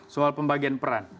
soal pembagian peran